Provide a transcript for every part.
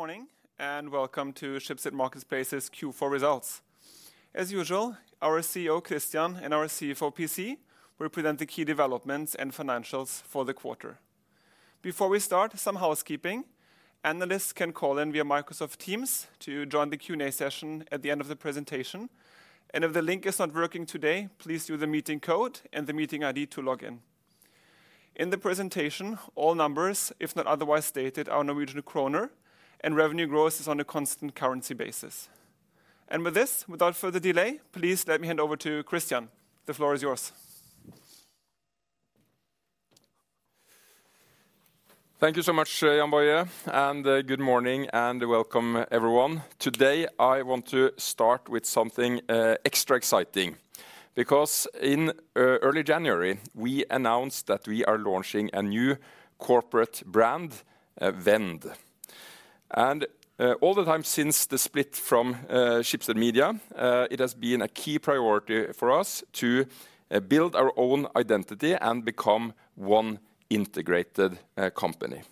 Good morning and welcome to Schibsted Marketplaces Q4 results. As usual, our CEO Christian and our CFO PC will present the key developments and financials for the quarter. Before we start, some housekeeping: analysts can call in via Microsoft Teams to join the Q&A session at the end of the presentation, and if the link is not working today, please use the meeting code and the meeting ID to log in. In the presentation, all numbers, if not otherwise stated, are in Norwegian kroner, and revenue grows on a constant currency basis, and with this, without further delay, please let me hand over to Christian. The floor is yours. Thank you so much, Jann-Boje, and good morning and welcome, everyone. Today, I want to start with something extra exciting because in early January, we announced that we are launching a new corporate brand, Vend. And all the time since the split from Schibsted Media, it has been a key priority for us to build our own identity and become one integrated company,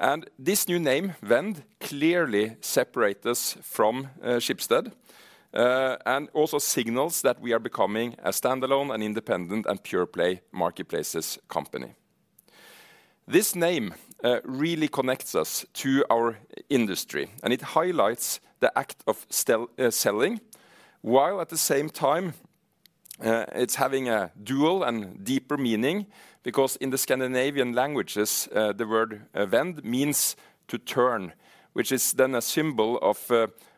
and this new name, Vend, clearly separates us from Schibsted and also signals that we are becoming a standalone, independent, and pure-play marketplaces company. This name really connects us to our industry, and it highlights the act of selling while at the same time it's having a dual and deeper meaning because in the Scandinavian languages, the word Vend means to turn, which is then a symbol of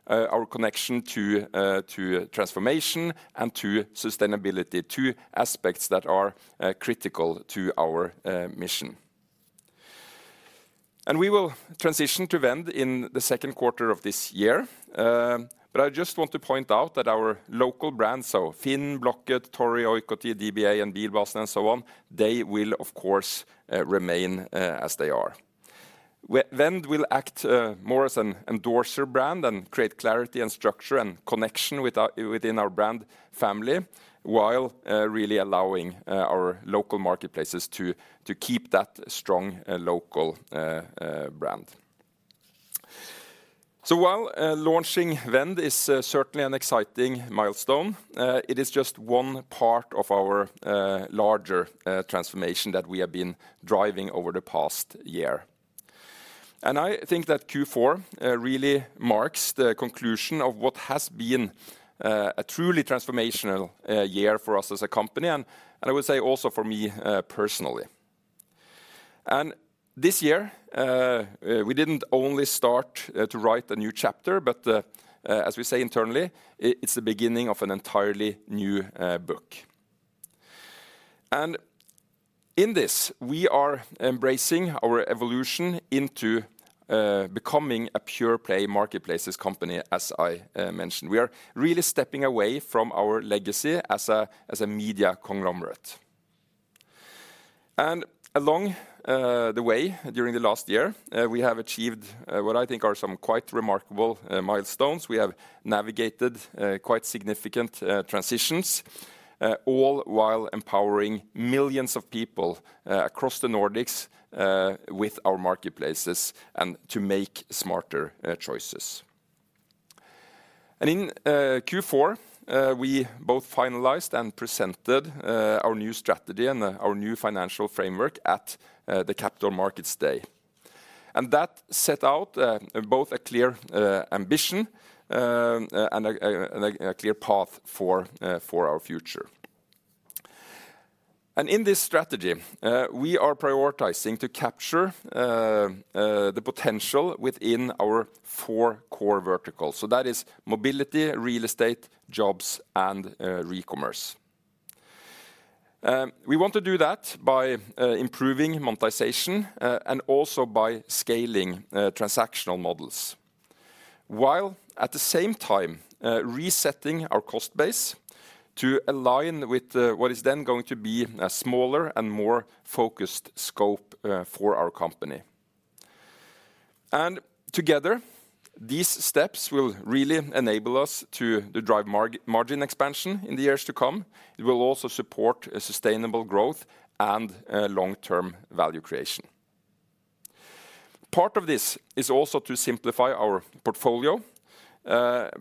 our connection to transformation and to sustainability, two aspects that are critical to our mission. We will transition to Vend in the second quarter of this year, but I just want to point out that our local brands, so FINN, Blocket, Tori, Oikotie, DBA, and Bilbasen, and so on, they will, of course, remain as they are. Vend will act more as an endorser brand and create clarity and structure and connection within our brand family while really allowing our local marketplaces to keep that strong local brand. While launching Vend is certainly an exciting milestone, it is just one part of our larger transformation that we have been driving over the past year. I think that Q4 really marks the conclusion of what has been a truly transformational year for us as a company, and I would say also for me personally. This year, we didn't only start to write a new chapter, but as we say internally, it's the beginning of an entirely new book. In this, we are embracing our evolution into becoming a pure-play marketplaces company, as I mentioned. We are really stepping away from our legacy as a media conglomerate. Along the way, during the last year, we have achieved what I think are some quite remarkable milestones. We have navigated quite significant transitions, all while empowering millions of people across the Nordics with our marketplaces and to make smarter choices. In Q4, we both finalized and presented our new strategy and our new financial framework at the Capital Markets Day. That set out both a clear ambition and a clear path for our future. In this strategy, we are prioritizing to capture the potential within our four core verticals. So that is Mobility, Real Estate, jobs, and re-commerce. We want to do that by improving monetization and also by scaling transactional models, while at the same time resetting our cost base to align with what is then going to be a smaller and more focused scope for our company. And together, these steps will really enable us to drive margin expansion in the years to come. It will also support sustainable growth and long-term value creation. Part of this is also to simplify our portfolio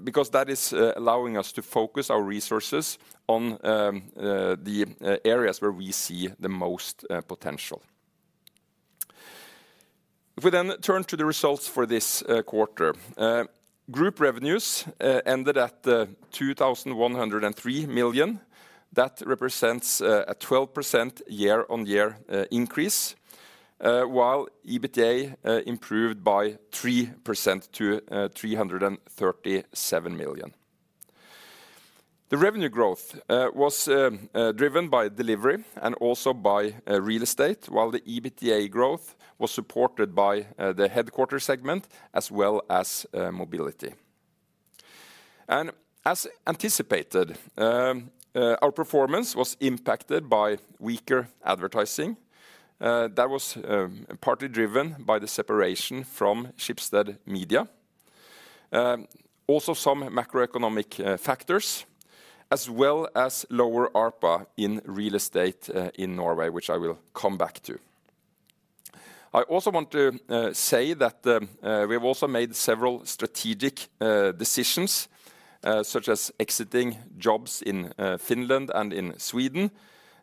because that is allowing us to focus our resources on the areas where we see the most potential. If we then turn to the results for this quarter, group revenues ended at 2,103 million. That represents a 12% year-on-year increase, while EBITDA improved by 3% to 337 million. The revenue growth was driven by Delivery and also by Real Estate, while the EBITDA growth was supported by the headquarters segment as well as Mobility, and as anticipated, our performance was impacted by weaker advertising. That was partly driven by the separation from Schibsted Media, also some macroeconomic factors, as well as lower ARPA in Real Estate in Norway, which I will come back to. I also want to say that we have also made several strategic decisions, such as exiting jobs in Finland and in Sweden.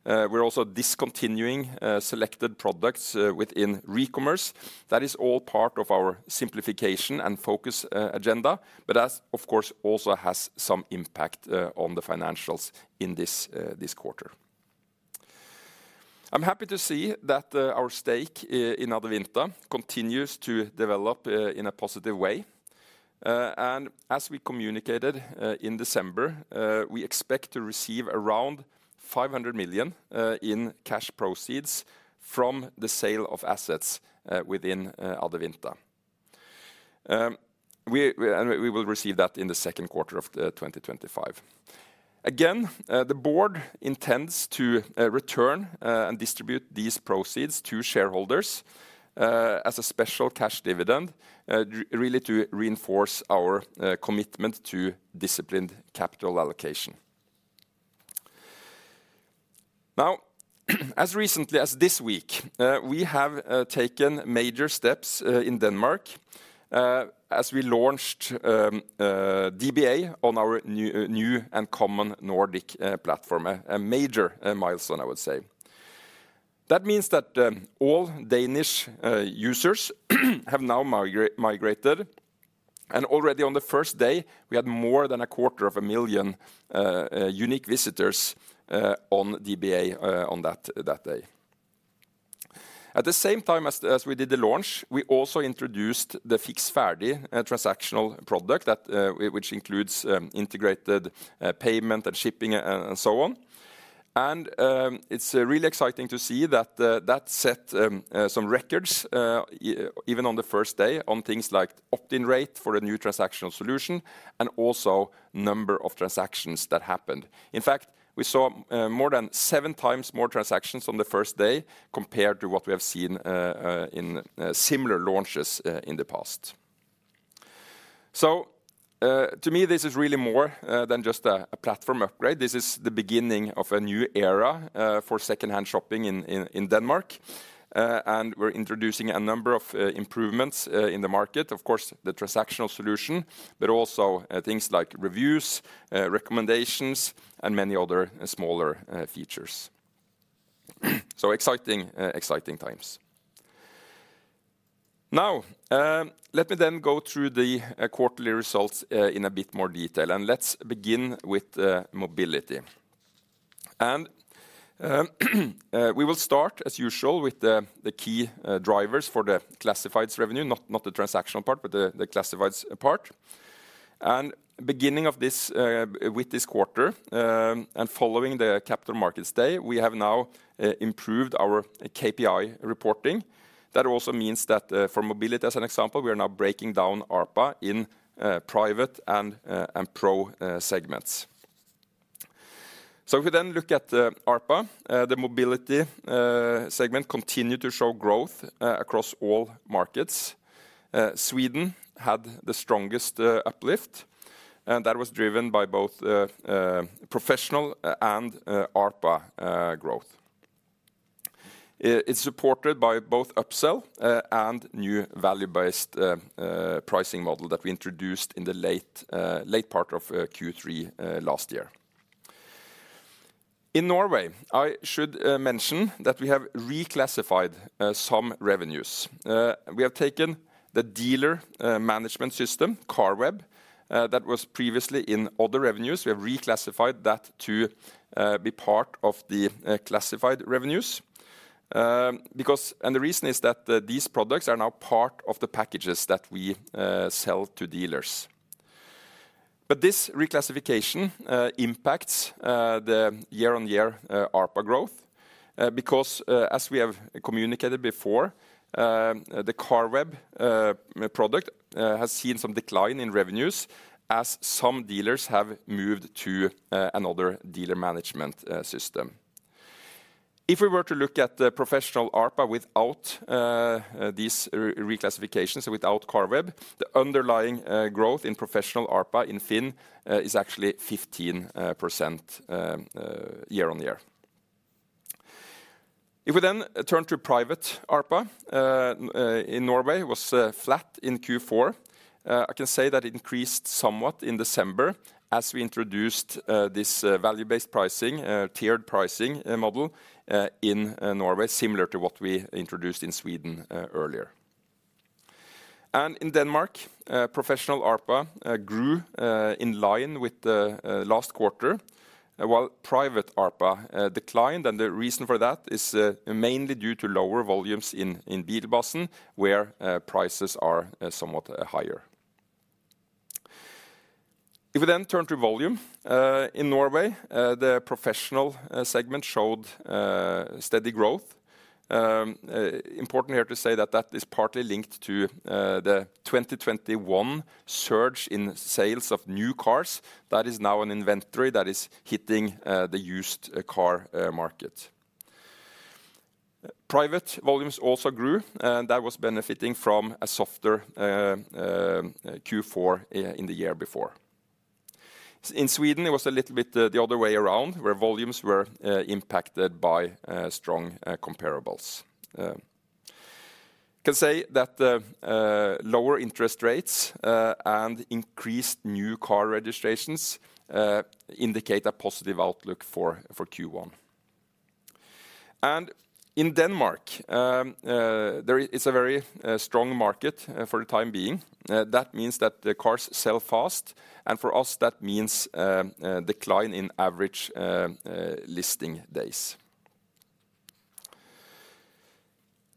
We're also discontinuing selected products within Recommerce. That is all part of our simplification and focus agenda, but that, of course, also has some impact on the financials in this quarter. I'm happy to see that our stake in Adevinta continues to develop in a positive way. As we communicated in December, we expect to receive around 500 million in cash proceeds from the sale of assets within Adevinta. We will receive that in the second quarter of 2025. Again, the board intends to return and distribute these proceeds to shareholders as a special cash dividend, really to reinforce our commitment to disciplined capital allocation. Now, as recently as this week, we have taken major steps in Denmark as we launched DBA on our new and common Nordic platform, a major milestone, I would say. That means that all Danish users have now migrated. And already on the first day, we had more than 250,000 unique visitors on DBA on that day. At the same time as we did the launch, we also introduced the Fiks Ferdig transactional product, which includes integrated payment and shipping and so on. It's really exciting to see that that set some records, even on the first day, on things like opt-in rate for a new transactional solution and also number of transactions that happened. In fact, we saw more than seven times more transactions on the first day compared to what we have seen in similar launches in the past. To me, this is really more than just a platform upgrade. This is the beginning of a new era for secondhand shopping in Denmark. We're introducing a number of improvements in the market, of course, the transactional solution, but also things like reviews, Recommendations, and many other smaller features. Exciting times. Now, let me then go through the quarterly results in a bit more detail. Let's begin with Mobility. We will start, as usual, with the key drivers for the classifieds revenue, not the transactional part, but the classifieds part. Beginning with this quarter and following the Capital Markets Day, we have now improved our KPI reporting. That also means that for Mobility, as an example, we are now breaking down ARPA in private and pro segments. If we then look at ARPA, the Mobility segment continued to show growth across all markets. Sweden had the strongest uplift, and that was driven by both professional and ARPA growth. It's supported by both upsell and new value-based pricing model that we introduced in the late part of Q3 last year. In Norway, I should mention that we have reclassified some revenues. We have taken the dealer management system, Carweb, that was previously in other revenues. We have reclassified that to be part of the classified revenues. And the reason is that these products are now part of the packages that we sell to dealers. But this reclassification impacts the year-on-year ARPA growth because, as we have communicated before, the Carweb product has seen some decline in revenues as some dealers have moved to another dealer management system. If we were to look at the professional ARPA without these reclassifications, without Carweb, the underlying growth in professional ARPA in FINN is actually 15% year-on-year. If we then turn to private ARPA in Norway, it was flat in Q4. I can say that it increased somewhat in December as we introduced this value-based pricing, tiered pricing model in Norway, similar to what we introduced in Sweden earlier. And in Denmark, professional ARPA grew in line with the last quarter, while private ARPA declined. The reason for that is mainly due to lower volumes in Bilbasen, where prices are somewhat higher. If we then turn to volume in Norway, the professional segment showed steady growth. Important here to say that that is partly linked to the 2021 surge in sales of new cars that is now an inventory that is hitting the used car market. Private volumes also grew, and that was benefiting from a softer Q4 in the year before. In Sweden, it was a little bit the other way around, where volumes were impacted by strong comparables. I can say that lower interest rates and increased new car registrations indicate a positive outlook for Q1. In Denmark, it's a very strong market for the time being. That means that the cars sell fast, and for us, that means a decline in average listing days.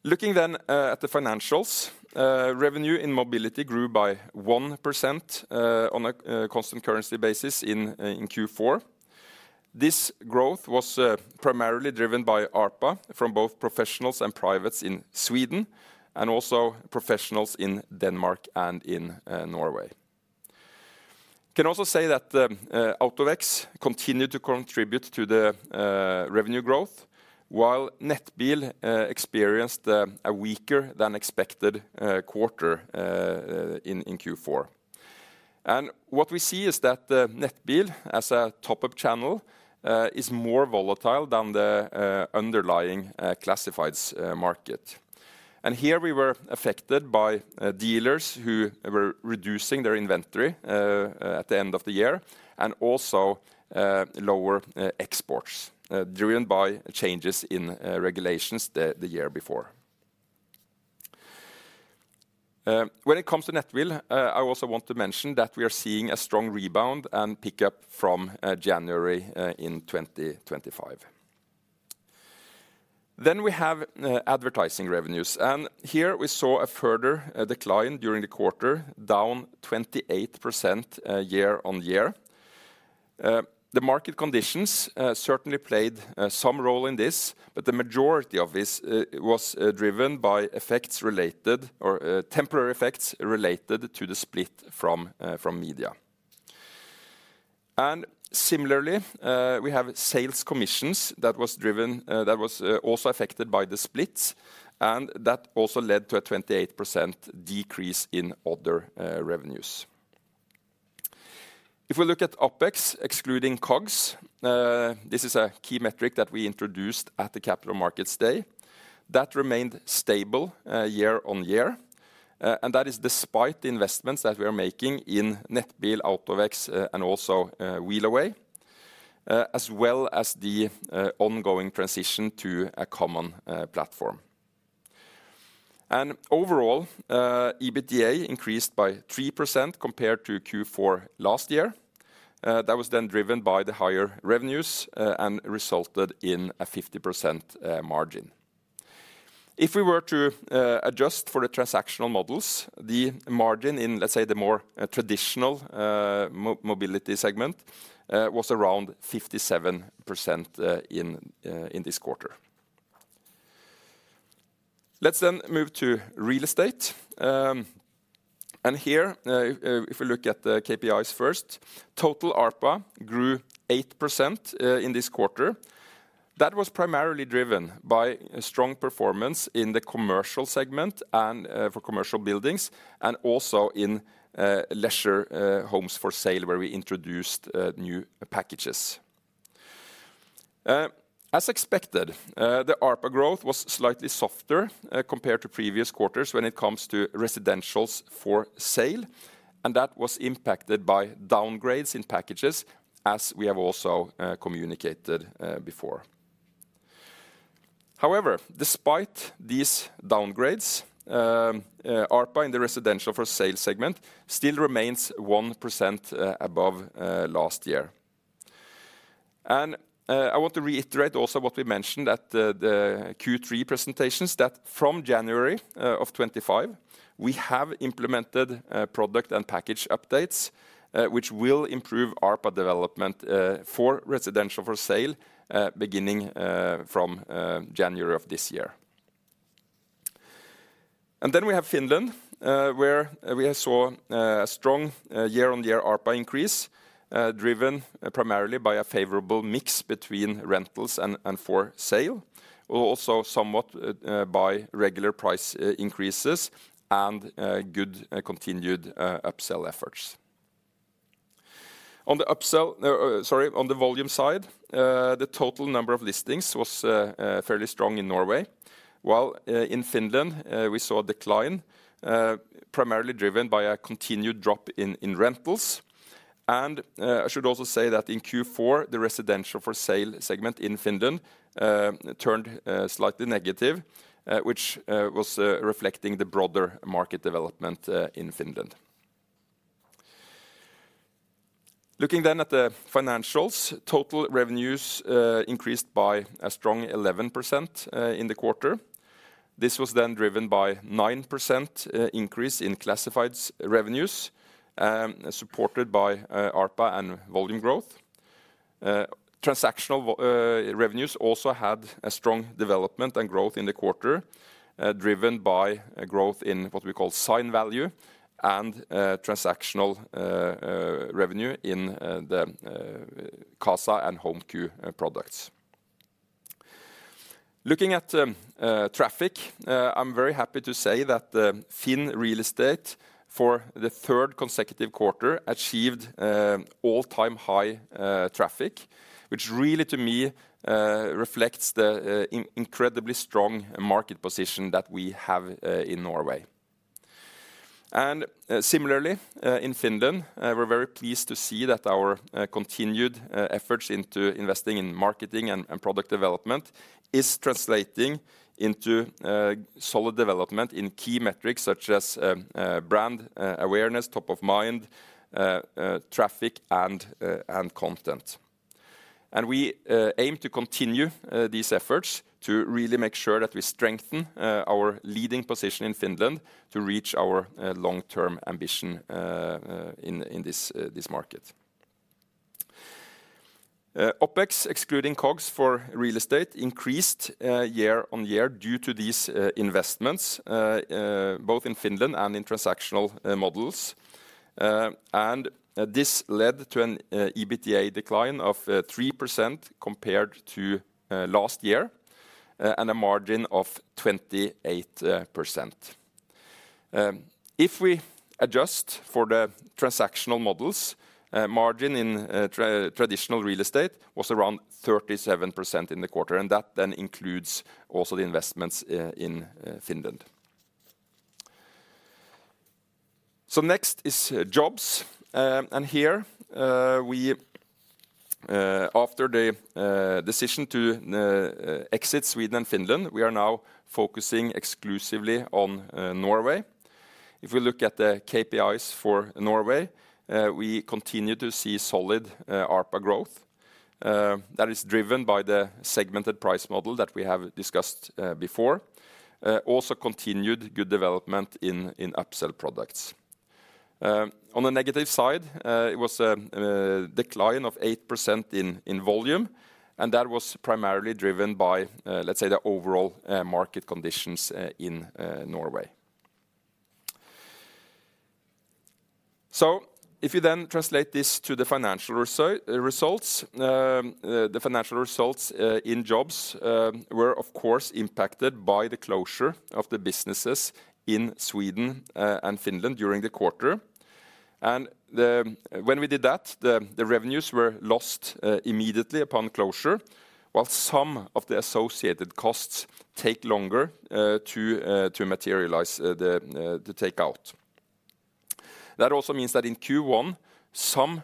Looking then at the financials, revenue in Mobility grew by 1% on a constant currency basis in Q4. This growth was primarily driven by ARPA from both professionals and privates in Sweden and also professionals in Denmark and in Norway. I can also say that AutoVex continued to contribute to the revenue growth, while Nettbil experienced a weaker than expected quarter in Q4, and what we see is that Nettbil, as a top-up channel, is more volatile than the underlying classifieds market, and here we were affected by dealers who were reducing their inventory at the end of the year and also lower exports driven by changes in regulations the year before. When it comes to Nettbil, I also want to mention that we are seeing a strong rebound and pickup from January in 2025, then we have advertising revenues. And here we saw a further decline during the quarter, down 28% year-on-year. The market conditions certainly played some role in this, but the majority of this was driven by effects related or temporary effects related to the split from media. And similarly, we have sales commissions that was driven that was also affected by the split, and that also led to a 28% decrease in other revenues. If we look at OpEx, excluding COGS, this is a key metric that we introduced at the Capital Markets Day. That remained stable year-on-year, and that is despite the investments that we are making in Nettbil, AutoVex, and also Willhaben, as well as the ongoing transition to a common platform. And overall, EBITDA increased by 3% compared to Q4 last year. That was then driven by the higher revenues and resulted in a 50% margin. If we were to adjust for the transactional models, the margin in, let's say, the more traditional Mobility segment was around 57% in this quarter. Let's then move to Real Estate, and here, if we look at the KPIs first, total ARPA grew 8% in this quarter. That was primarily driven by strong performance in the commercial segment and for commercial buildings and also in leisure homes for sale, where we introduced new packages. As expected, the ARPA growth was slightly softer compared to previous quarters when it comes to residentials for sale, and that was impacted by downgrades in packages, as we have also communicated before. However, despite these downgrades, ARPA in the residential for sale segment still remains 1% above last year. I want to reiterate also what we mentioned at the Q3 presentations, that from January of 2025, we have implemented product and package updates, which will improve ARPA development for residential for sale beginning from January of this year. We have Finland, where we saw a strong year-on-year ARPA increase, driven primarily by a favorable mix between rentals and for sale, also somewhat by regular price increases and good continued upsell efforts. On the upsell, sorry, on the volume side, the total number of listings was fairly strong in Norway, while in Finland, we saw a decline, primarily driven by a continued drop in rentals. I should also say that in Q4, the residential for sale segment in Finland turned slightly negative, which was reflecting the broader market development in Finland. Looking at the financials, total revenues increased by a strong 11% in the quarter. This was then driven by a 9% increase in classifieds revenues, supported by ARPA and volume growth. Transactional revenues also had a strong development and growth in the quarter, driven by growth in what we call GMV and transactional revenue in the Qasa and HomeQ products. Looking at traffic, I'm very happy to say that FINN Real Estate, for the third consecutive quarter, achieved all-time high traffic, which really, to me, reflects the incredibly strong market position that we have in Norway, and similarly, in Finland, we're very pleased to see that our continued efforts into investing in marketing and product development is translating into solid development in key metrics such as brand awareness, top of mind, traffic, and content, and we aim to continue these efforts to really make sure that we strengthen our leading position in Finland to reach our long-term ambition in this market. OpEx, excluding COGS for Real Estate, increased year-on-year due to these investments, both in Finland and in transactional models. And this led to an EBITDA decline of 3% compared to last year and a margin of 28%. If we adjust for the transactional models, margin in traditional Real Estate was around 37% in the quarter, and that then includes also the investments in Finland. So next is jobs. And here, after the decision to exit Sweden and Finland, we are now focusing exclusively on Norway. If we look at the KPIs for Norway, we continue to see solid ARPA growth that is driven by the segmented price model that we have discussed before, also continued good development in upsell products. On the negative side, it was a decline of 8% in volume, and that was primarily driven by, let's say, the overall market conditions in Norway. So if you then translate this to the financial results, the financial results in jobs were, of course, impacted by the closure of the businesses in Sweden and Finland during the quarter. And when we did that, the revenues were lost immediately upon closure, while some of the associated costs take longer to materialize, to take out. That also means that in Q1, some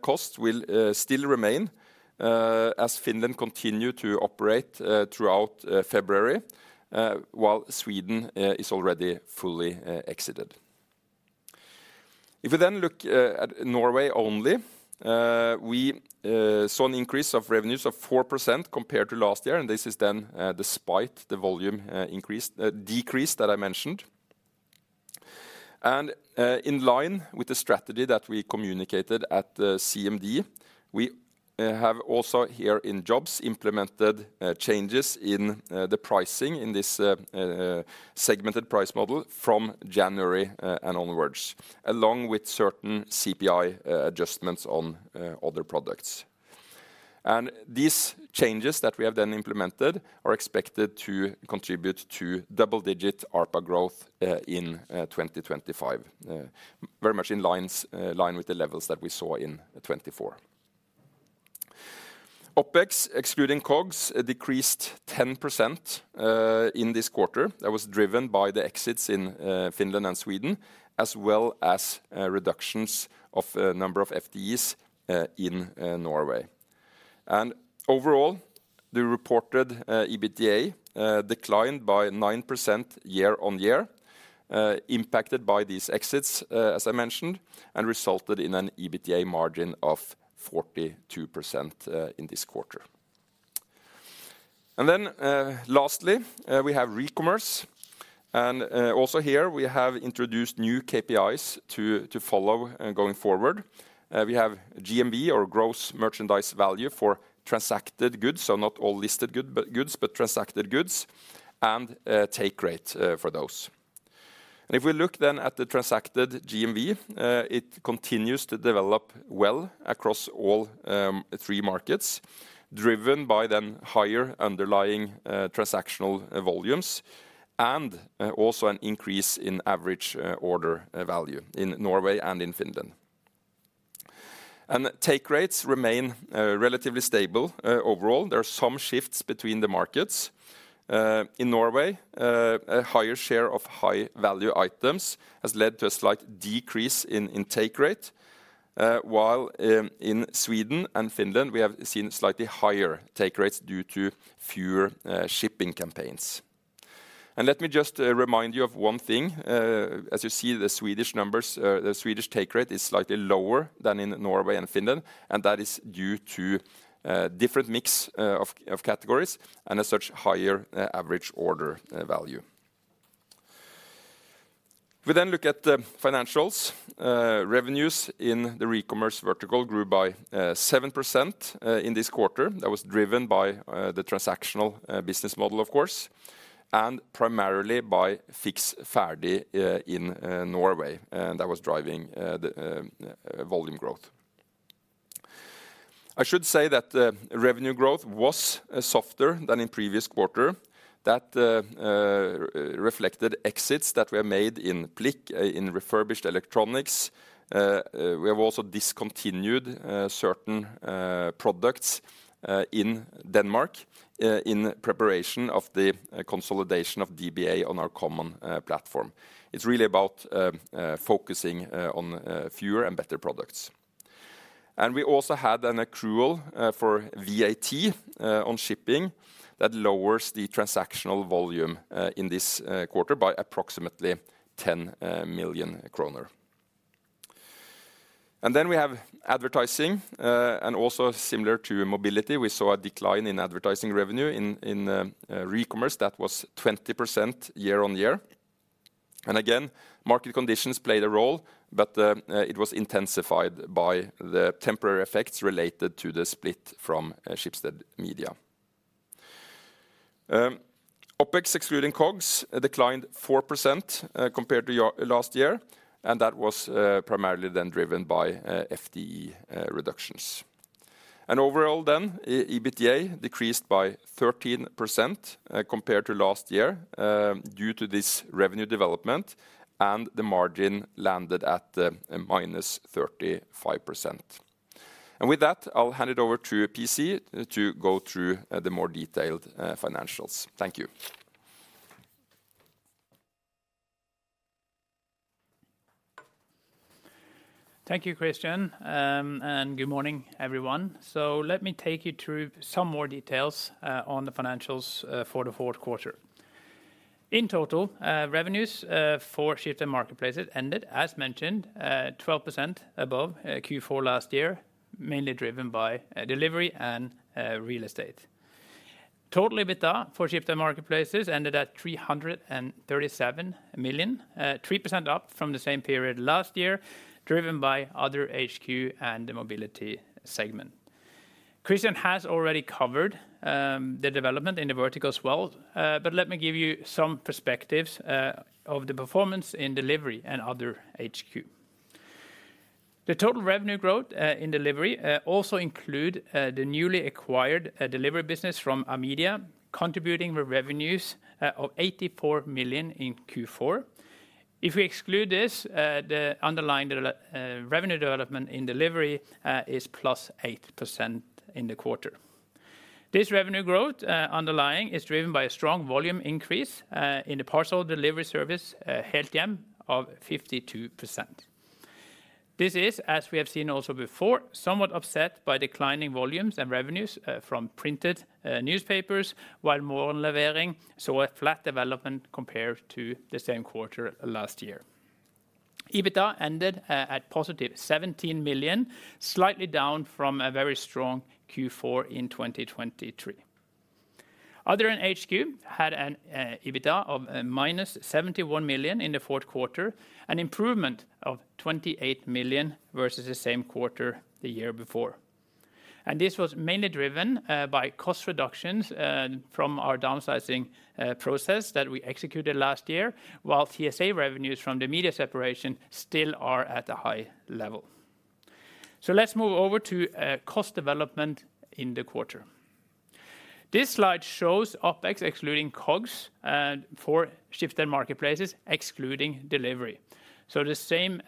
costs will still remain as Finland continues to operate throughout February, while Sweden is already fully exited. If we then look at Norway only, we saw an increase of revenues of 4% compared to last year, and this is then despite the volume increase decrease that I mentioned. In line with the strategy that we communicated at CMD, we have also here in Jobs implemented changes in the pricing in this segmented price model from January and onwards, along with certain CPI adjustments on other products. These changes that we have then implemented are expected to contribute to double-digit ARPA growth in 2025, very much in line with the levels that we saw in 2024. OpEx, excluding COGS, decreased 10% in this quarter. That was driven by the exits in Finland and Sweden, as well as reductions of the number of FTEs in Norway. Overall, the reported EBITDA declined by 9% year-on-year, impacted by these exits, as I mentioned, and resulted in an EBITDA margin of 42% in this quarter. Lastly, we have Recommerce. Also here, we have introduced new KPIs to follow going forward. We have GMV, or gross merchandise value for transacted goods, so not all listed goods, but transacted goods, and take rate for those. And if we look then at the transacted GMV, it continues to develop well across all three markets, driven by then higher underlying transactional volumes and also an increase in average order value in Norway and in Finland. And take rates remain relatively stable overall. There are some shifts between the markets. In Norway, a higher share of high-value items has led to a slight decrease in take rate, while in Sweden and Finland, we have seen slightly higher take rates due to fewer shipping campaigns. And let me just remind you of one thing. As you see, the Swedish numbers, the Swedish take rate is slightly lower than in Norway and Finland, and that is due to a different mix of categories and a much higher average order value. If we then look at the financials, revenues in the Recommerce vertical grew by 7% in this quarter. That was driven by the transactional business model, of course, and primarily by Fiks Ferdig in Norway, and that was driving the volume growth. I should say that the revenue growth was softer than in previous quarter. That reflected exits that were made in Plick in refurbished electronics. We have also discontinued certain products in Denmark in preparation of the consolidation of DBA on our common platform. It's really about focusing on fewer and better products. We also had an accrual for VAT on shipping that lowers the transactional volume in this quarter by approximately 10 million kroner. Then we have advertising, and also similar to Mobility, we saw a decline in advertising revenue in re-commerce. That was 20% year-on-year. Again, market conditions played a role, but it was intensified by the temporary effects related to the split from Schibsted Media. OpEx, excluding COGS, declined 4% compared to last year, and that was primarily then driven by FTE reductions. Overall then, EBITDA decreased by 13% compared to last year due to this revenue development, and the margin landed at minus 35%. With that, I'll hand it over to PC to go through the more detailed financials. Thank you. Thank you, Christian, and good morning, everyone. So let me take you through some more details on the financials for the fourth quarter. In total, revenues for Schibsted Marketplaces ended, as mentioned, 12% above Q4 last year, mainly driven by Delivery and Real Estate. Total EBITDA for Schibsted Marketplaces ended at 337 million, 3% up from the same period last year, driven by other HQ and the Mobility segment. Christian has already covered the development in the verticals well, but let me give you some perspectives of the performance in Delivery and other HQ. The total revenue growth in Delivery also includes the newly acquired Delivery business from Amedia, contributing revenues of 84 million in Q4. If we exclude this, the underlying revenue development in Delivery is plus 8% in the quarter. This revenue growth underlying is driven by a strong volume increase in the parcel Delivery service, Helthjem, of 52%. This is, as we have seen also before, somewhat offset by declining volumes and revenues from printed newspapers, while Morgenlevering saw a flat development compared to the same quarter last year. EBITDA ended at 17 million, slightly down from a very strong Q4 in 2023. Other in HQ had an EBITDA of minus 71 million in the fourth quarter, an improvement of 28 million versus the same quarter the year before. And this was mainly driven by cost reductions from our downsizing process that we executed last year, while TSA revenues from the media separation still are at a high level. So let's move over to cost development in the quarter. This slide shows OpEx, excluding COGS for Schibsted Marketplaces, excluding Delivery. So the same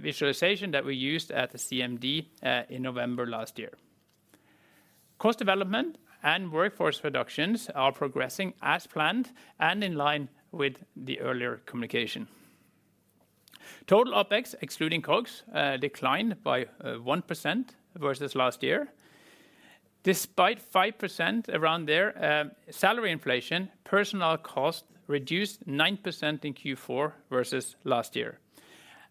visualization that we used at the CMD in November last year. Cost development and workforce reductions are progressing as planned and in line with the earlier communication. Total OpEx, excluding COGS, declined by 1% versus last year. Despite 5% around there, salary inflation, personnel costs reduced 9% in Q4 versus last year,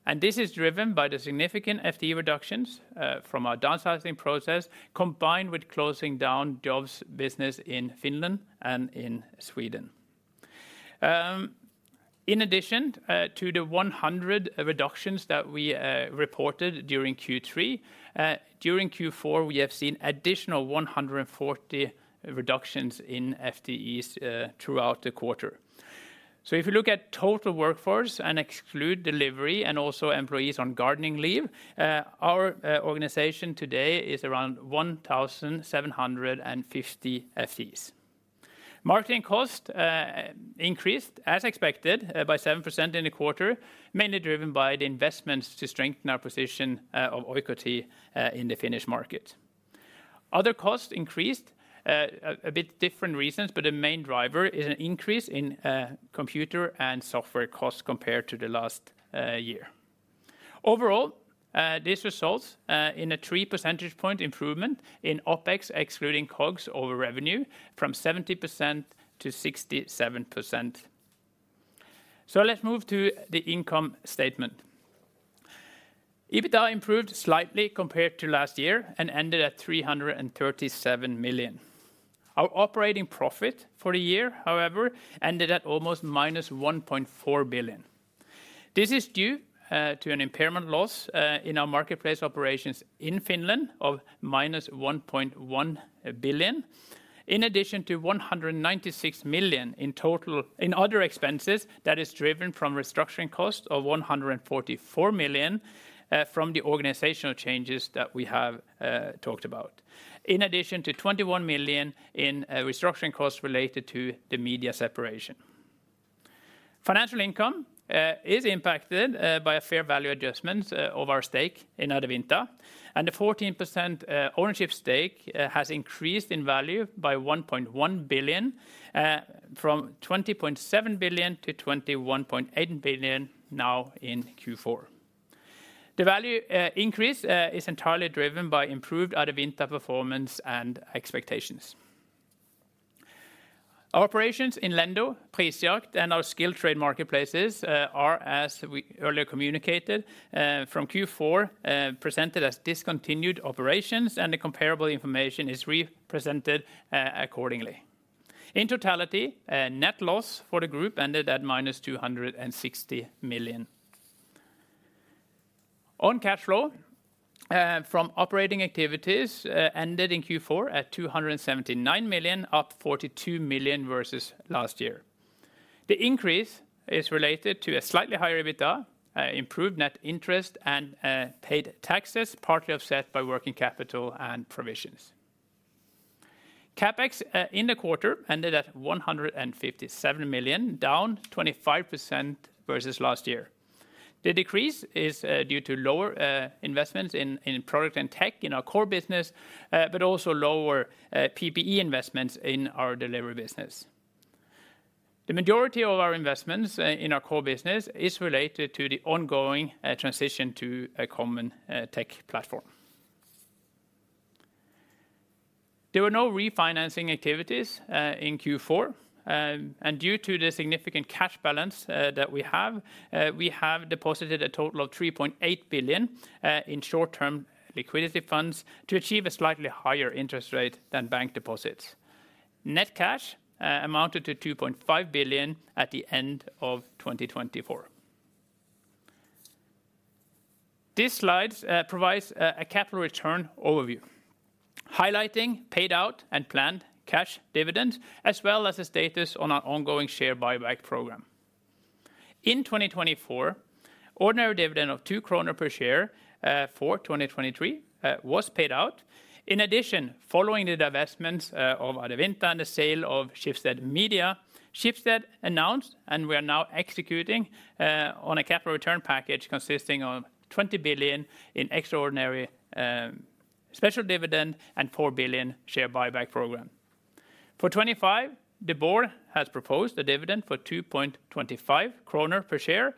and this is driven by the significant FTE reductions from our downsizing process, combined with closing down Jobs business in Finland and in Sweden. In addition to the 100 reductions that we reported during Q3, during Q4, we have seen additional 140 reductions in FTEs throughout the quarter, so if you look at total workforce and exclude Delivery and also employees on gardening leave, our organization today is around 1,750 FTEs. Marketing cost increased, as expected, by 7% in the quarter, mainly driven by the investments to strengthen our position of Oikotie in the finish market. Other costs increased a bit different reasons, but the main driver is an increase in computer and software costs compared to the last year. Overall, this results in a 3 percentage point improvement in OpEx, excluding COGS over revenue from 70% to 67%. So let's move to the income statement. EBITDA improved slightly compared to last year and ended at 337 million. Our operating profit for the year, however, ended at almost -1.4 billion. This is due to an impairment loss in our marketplace operations in Finland of -1.1 billion, in addition to 196 million in total in other expenses that is driven from restructuring costs of 144 million from the organizational changes that we have talked about, in addition to 21 million in restructuring costs related to the media separation. Financial income is impacted by a fair value adjustment of our stake in Adevinta, and the 14% ownership stake has increased in value by 1.1 billion from 20.7 billion to 21.8 billion now in Q4. The value increase is entirely driven by improved Adevinta performance and expectations. Operations in Lendo, Prisjakt and our skilled trade marketplaces are, as we earlier communicated, from Q4 presented as discontinued operations, and the comparable information is represented accordingly. In totality, net loss for the group ended at minus 260 million. On cash flow from operating activities ended in Q4 at 279 million, up 42 million versus last year. The increase is related to a slightly higher EBITDA, improved net interest and paid taxes, partly offset by working capital and provisions. CapEx in the quarter ended at 157 million, down 25% versus last year. The decrease is due to lower investments in product and tech in our core business, but also lower PPE investments in our Delivery business. The majority of our investments in our core business is related to the ongoing transition to a common tech platform. There were no refinancing activities in Q4, and due to the significant cash balance that we have, we have deposited a total of 3.8 billion in short-term liquidity funds to achieve a slightly higher interest rate than bank deposits. Net cash amounted to 2.5 billion at the end of 2024. This slide provides a capital return overview, highlighting paid out and planned cash dividends, as well as the status on our ongoing share buyback program. In 2024, ordinary dividend of 2 kroner per share for 2023 was paid out. In addition, following the divestments of Adevinta and the sale of Schibsted Media, Schibsted announced, and we are now executing on a capital return package consisting of 20 billion NOK in extraordinary special dividend and 4 billion NOK share buyback program. For 2025, the board has proposed a dividend of 2.25 kroner per share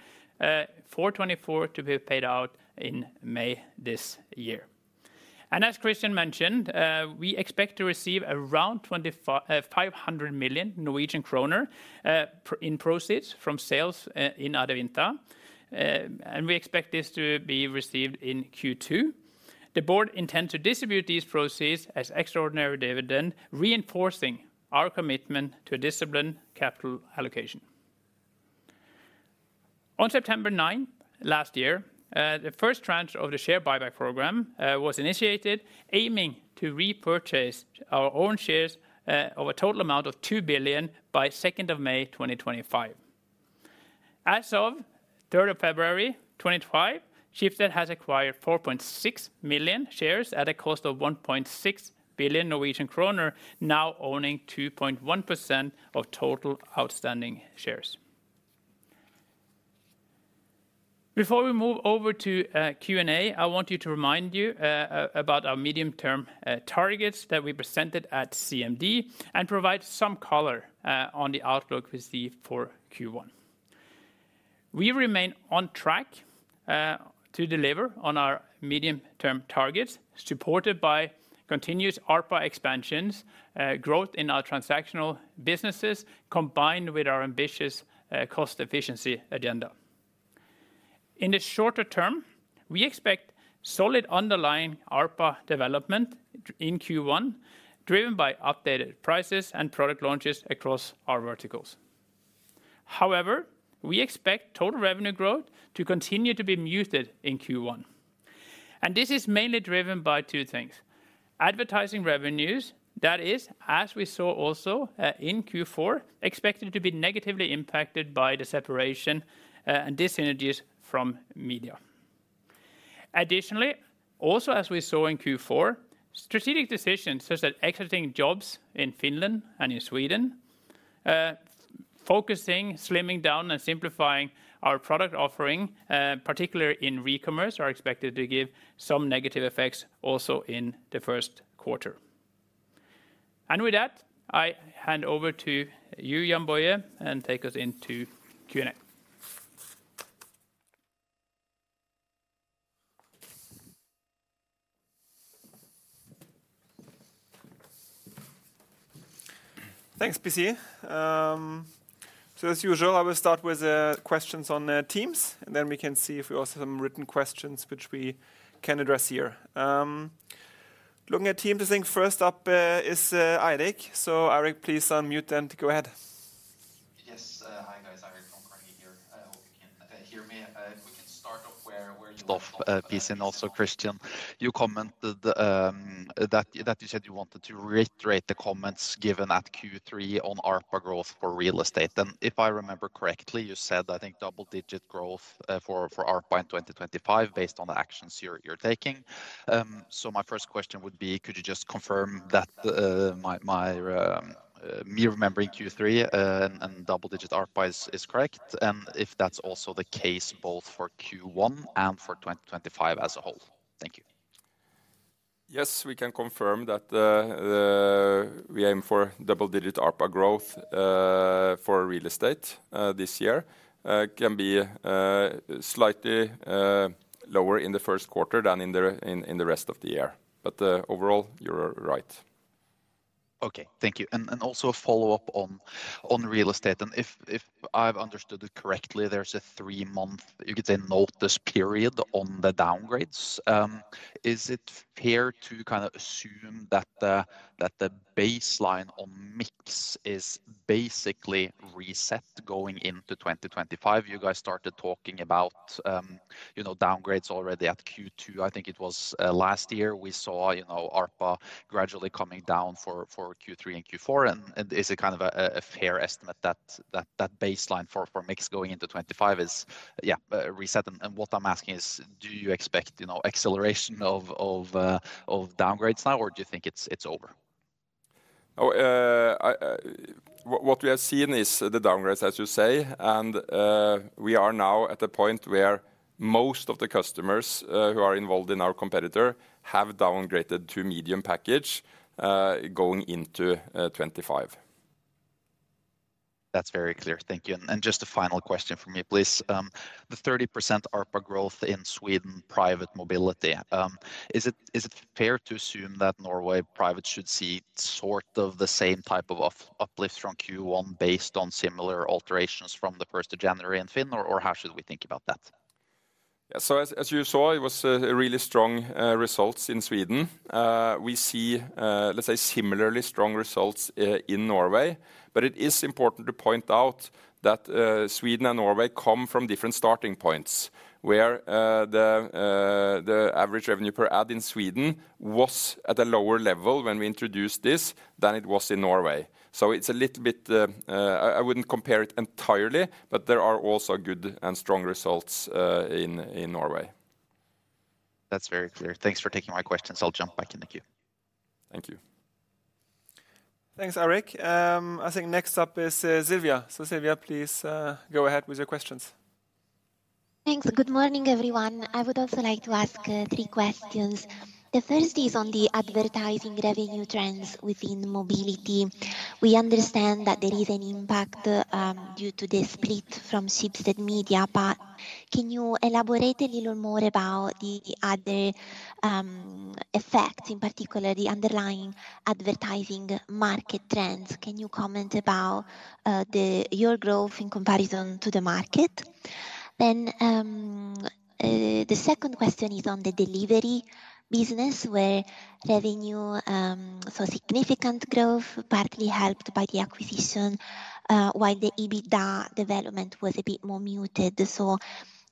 for 2024 to be paid out in May this year, and as Christian mentioned, we expect to receive around 500 million Norwegian kroner in proceeds from sales in Adevinta, and we expect this to be received in Q2. The board intends to distribute these proceeds as extraordinary dividend, reinforcing our commitment to disciplined capital allocation. On September 9 last year, the first tranche of the share buyback program was initiated, aiming to repurchase our own shares of a total amount of 2 billion NOK by 2 May 2025. As of 3 February 2025, Schibsted has acquired 4.6 million shares at a cost of 1.6 billion Norwegian kroner, now owning 2.1% of total outstanding shares. Before we move over to Q&A, I want to remind you about our medium-term targets that we presented at CMD and provide some color on the outlook we see for Q1. We remain on track to deliver on our medium-term targets, supported by continuous ARPA expansions, growth in our transactional businesses, combined with our ambitious cost efficiency agenda. In the shorter term, we expect solid underlying ARPA development in Q1, driven by updated prices and product launches across our verticals. However, we expect total revenue growth to continue to be muted in Q1, and this is mainly driven by two things: advertising revenues, that is, as we saw also in Q4, expected to be negatively impacted by the separation and disintegration from media. Additionally, also as we saw in Q4, strategic decisions such as exiting jobs in Finland and in Sweden, focusing, slimming down, and simplifying our product offering, particularly in re-commerce, are expected to give some negative effects also in the first quarter, and with that, I hand over to you, Jann-Boje, and take us into Q&A. Thanks, PC, so as usual, I will start with questions on Teams, and then we can see if we also have some written questions which we can address here. Looking at Teams, I think first up is Eirik, so Eirik, please unmute and go ahead. Yes, hi guys, Eirik from Carnegie here. I hope you can hear me. If we can start off whereof PC and also Christian, you commented that you said you wanted to reiterate the comments given at Q3 on ARPA growth for Real Estate. And if I remember correctly, you said I think double-digit growth for ARPA in 2025 based on the actions you're taking. So my first question would be, could you just confirm that me remembering Q3 and double-digit ARPA is correct? And if that's also the case both for Q1 and for 2025 as a whole. Thank you. Yes, we can confirm that we aim for double-digit ARPA growth for Real Estate this year. It can be slightly lower in the first quarter than in the rest of the year, but overall, you're right. Okay, thank you. And also a follow-up on Real Estate. And if I've understood it correctly, there's a three-month, you could say, notice period on the downgrades. Is it fair to kind of assume that the baseline on mix is basically reset going into 2025? You guys started talking about downgrades already at Q2. I think it was last year we saw ARPA gradually coming down for Q3 and Q4. And is it kind of a fair estimate that that baseline for mix going into 25 is, yeah, reset? And what I'm asking is, do you expect acceleration of downgrades now, or do you think it's over? What we have seen is the downgrades, as you say. And we are now at a point where most of the customers who are involved in our competitor have downgraded to medium package going into 25. That's very clear. Thank you. And just a final question from me, please. The 30% ARPA growth in Sweden private Mobility, is it fair to assume that Norway private should see sort of the same type of uplift from Q1 based on similar alterations from the first of January in Finland, or how should we think about that? Yeah, so as you saw, it was really strong results in Sweden. We see, let's say, similarly strong results in Norway. But it is important to point out that Sweden and Norway come from different starting points where the average revenue per ad in Sweden was at a lower level when we introduced this than it was in Norway. So it's a little bit, I wouldn't compare it entirely, but there are also good and strong results in Norway. That's very clear. Thanks for taking my questions. I'll jump back in the queue. Thank you. Thanks, Eirik. I think next up is Silvia. So Silvia, please go ahead with your questions. Thanks. Good morning, everyone. I would also like to ask three questions. The first is on the advertising revenue trends within Mobility. We understand that there is an impact due to the split from Schibsted Media. Can you elaborate a little more about the other effects, in particular the underlying advertising market trends? Can you comment about your growth in comparison to the market? Then the second question is on the Delivery business, where revenue, so significant growth, partly helped by the acquisition while the EBITDA development was a bit more muted. So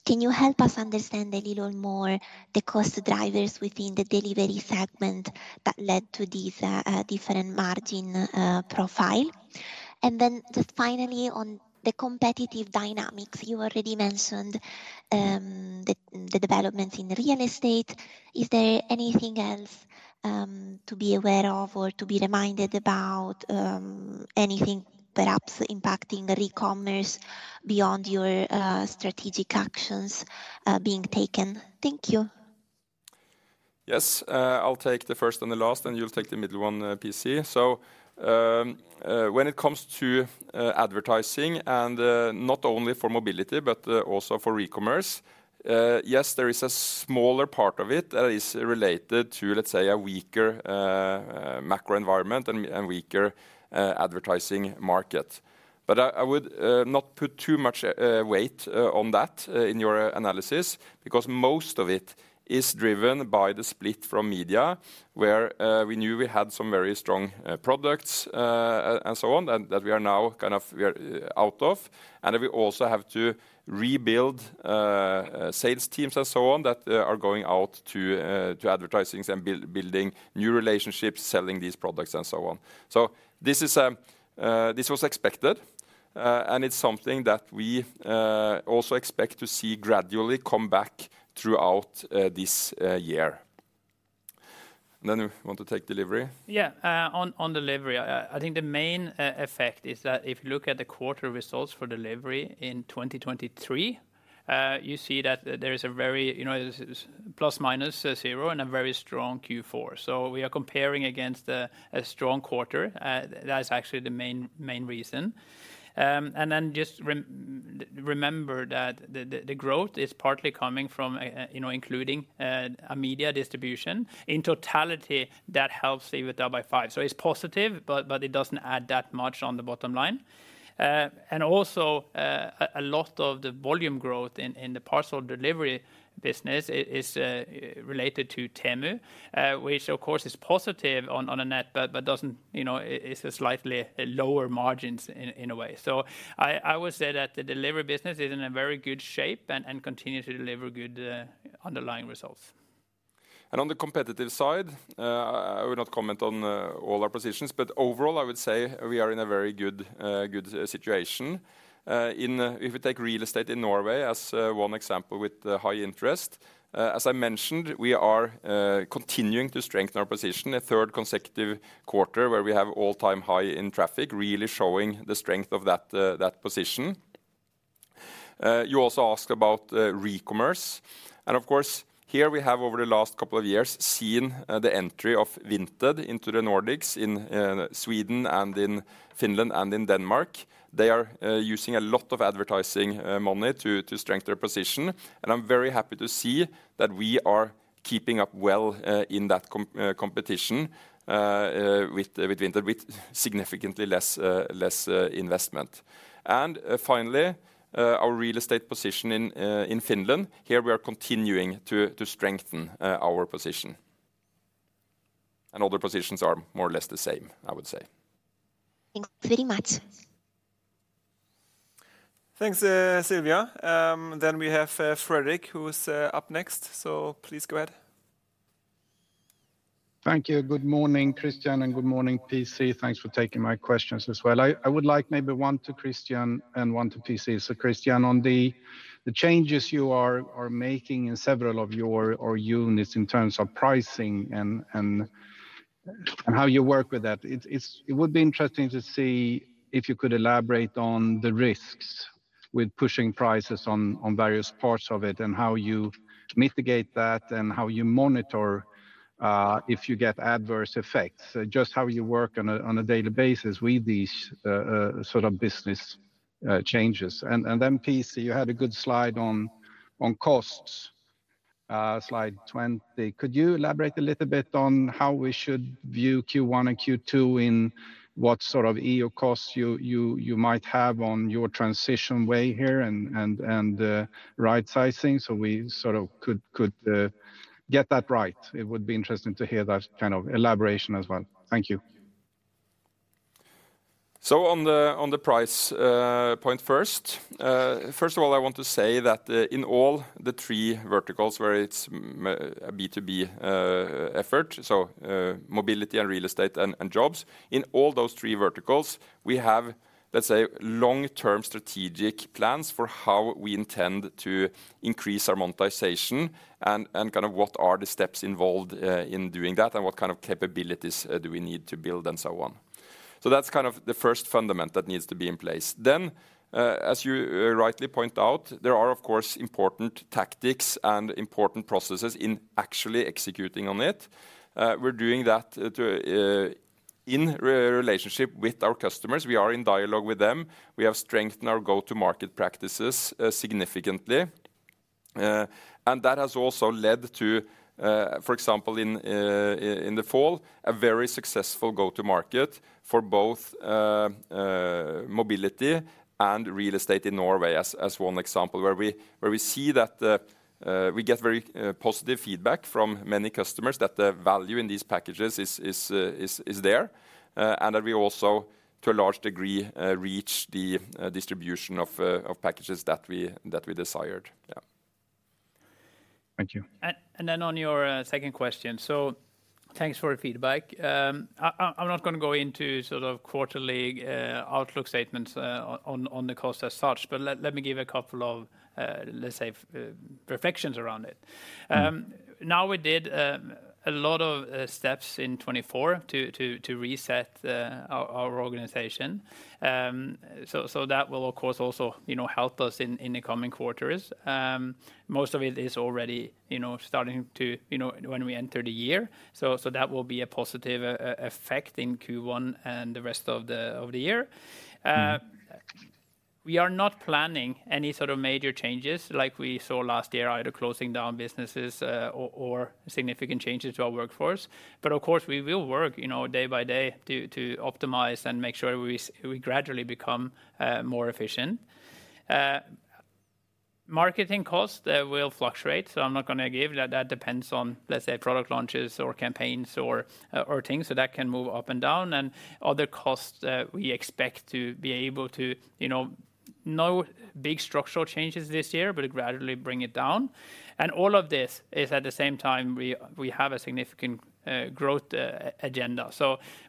can you help us understand a little more the cost drivers within the Delivery segment that led to these different margin profiles? And then just finally on the competitive dynamics, you already mentioned the developments in Real Estate. Is there anything else to be aware of or to be reminded about, anything perhaps impacting re-commerce beyond your strategic actions being taken? Thank you. Yes, I'll take the first and the last, and you'll take the middle one, PC. So when it comes to advertising, and not only for Mobility, but also for Recommerce, yes, there is a smaller part of it that is related to, let's say, a weaker macro environment and weaker advertising market. But I would not put too much weight on that in your analysis because most of it is driven by the split from media, where we knew we had some very strong products and so on that we are now kind of out of. And we also have to rebuild sales teams and so on that are going out to advertisers and building new relationships, selling these products and so on. So this was expected, and it's something that we also expect to see gradually come back throughout this year. Then we want to take Delivery. Yeah, on Delivery, I think the main effect is that if you look at the quarter results for Delivery in 2023, you see that there is a very plus-minus zero and a very strong Q4. So we are comparing against a strong quarter. That is actually the main reason. And then just remember that the growth is partly coming from including a media distribution. In totality, that helps EBITDA by five. So it's positive, but it doesn't add that much on the bottom line. And also, a lot of the volume growth in the parcel Delivery business is related to Temu, which of course is positive on a net, but it's slightly lower margins in a way. So I would say that the Delivery business is in a very good shape and continues to deliver good underlying results. And on the competitive side, I will not comment on all our positions, but overall, I would say we are in a very good situation. If we take Real Estate in Norway as one example with high interest, as I mentioned, we are continuing to strengthen our position a third consecutive quarter where we have all-time high in traffic, really showing the strength of that position. You also asked about Recommerce. And of course, here we have, over the last couple of years, seen the entry of Vinted into the Nordics in Sweden and in Finland and in Denmark. They are using a lot of advertising money to strengthen their position. And I'm very happy to see that we are keeping up well in that competition with Vinted with significantly less investment. And finally, our Real Estate position in Finland, here we are continuing to strengthen our position. And other positions are more or less the same, I would say. Thank you very much. Thanks, Silvia. Then we have Frederik, who's up next. So please go ahead. Thank you. Good morning, Christian, and good morning, PC. Thanks for taking my questions as well. I would like maybe one to Christian and one to PC. So Christian, on the changes you are making in several of your units in terms of pricing and how you work with that, it would be interesting to see if you could elaborate on the risks with pushing prices on various parts of it and how you mitigate that and how you monitor if you get adverse effects, just how you work on a daily basis with these sort of business changes. And then PC, you had a good slide on costs, slide 20. Could you elaborate a little bit on how we should view Q1 and Q2 in what sort of EO costs you might have on your transition way here and right-sizing so we sort of could get that right? It would be interesting to hear that kind of elaboration as well. Thank you. So on the price point first, first of all, I want to say that in all the three verticals where it's a B2B effort, so Mobility and Real Estate and jobs, in all those three verticals, we have, let's say, long-term strategic plans for how we intend to increase our monetization and kind of what are the steps involved in doing that and what kind of capabilities do we need to build and so on. So that's kind of the first fundamental that needs to be in place. Then, as you rightly point out, there are, of course, important tactics and important processes in actually executing on it. We're doing that in relationship with our customers. We are in dialogue with them. We have strengthened our go-to-market practices significantly. And that has also led to, for example, in the fall, a very successful go-to-market for both Mobility and Real Estate in Norway as one example, where we see that we get very positive feedback from many customers that the value in these packages is there. And that we also, to a large degree, reach the distribution of packages that we desired. Yeah. Thank you. And then on your second question, so thanks for the feedback. I'm not going to go into sort of quarterly outlook statements on the cost as such, but let me give a couple of, let's say, reflections around it. Now we did a lot of steps in 2024 to reset our organization. So that will, of course, also help us in the coming quarters. Most of it is already starting to, when we enter the year. So that will be a positive effect in Q1 and the rest of the year. We are not planning any sort of major changes like we saw last year either closing down businesses or significant changes to our workforce. But of course, we will work day by day to optimize and make sure we gradually become more efficient. Marketing costs will fluctuate. So I'm not going to give that. That depends on, let's say, product launches or campaigns or things. So that can move up and down. And other costs we expect to be able to no big structural changes this year, but gradually bring it down. All of this is at the same time we have a significant growth agenda.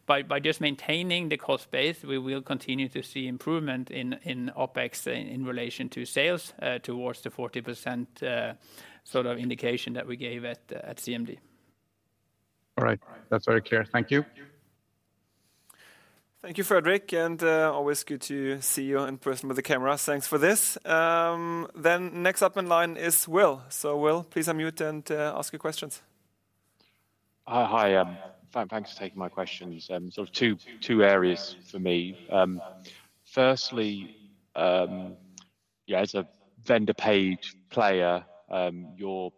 By just maintaining the cost base, we will continue to see improvement in OpEx in relation to sales towards the 40% sort of indication that we gave at CMD. All right. That's very clear. Thank you. Thank you, Frederik. And always good to see you in person with the camera. Thanks for this. Next up in line is Will. Will, please unmute and ask your questions. Hi. Thanks for taking my questions. Sort of two areas for me. Firstly, yeah, as a vendor-paid player, your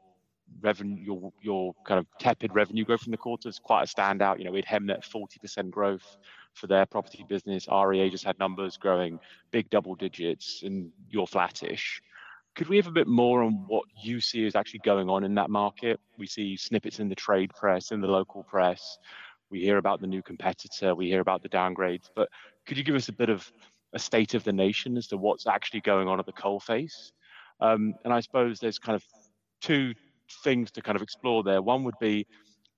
kind of tepid revenue growth in the quarter is quite a standout. We had Hemnet 40% growth for their property business. REA just had numbers growing big double digits and you're flattish. Could we have a bit more on what you see is actually going on in that market? We see snippets in the trade press, in the local press. We hear about the new competitor. We hear about the downgrades. But could you give us a bit of a state of the nation as to what's actually going on at the coalface? And I suppose there's kind of two things to kind of explore there. One would be,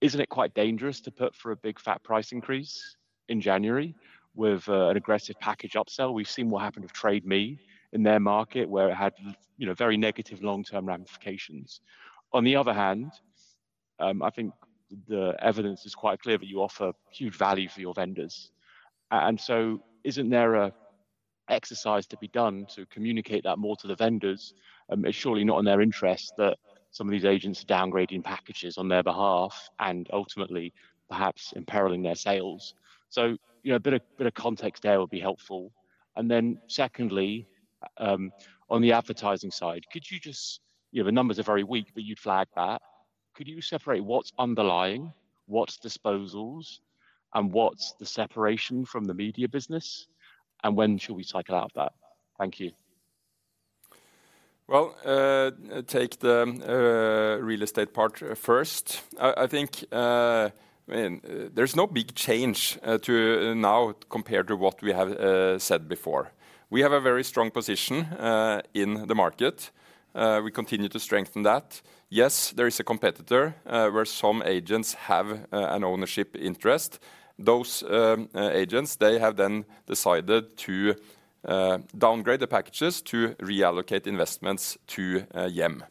isn't it quite dangerous to put for a big fat price increase in January with an aggressive package upsell? We've seen what happened with Trade Me in their market where it had very negative long-term ramifications. On the other hand, I think the evidence is quite clear that you offer huge value for your vendors. And so isn't there an exercise to be done to communicate that more to the vendors? It's surely not in their interest that some of these agents are downgrading packages on their behalf and ultimately perhaps imperiling their sales, so a bit of context there would be helpful, and then secondly, on the advertising side, could you just, the numbers are very weak, but you'd flag that. Could you separate what's underlying, what's disposals, and what's the separation from the media business, and when should we cycle out that? Thank you. Take the Real Estate part first. I think there's no big change now compared to what we have said before. We have a very strong position in the market. We continue to strengthen that. Yes, there is a competitor where some agents have an ownership interest. Those agents, they have then decided to downgrade the packages to reallocate investments to Hjem.